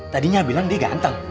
tadi nya bilang dia ganteng